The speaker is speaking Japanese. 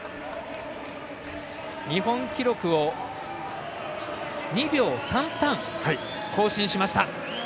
日本記録を２秒３３更新しました。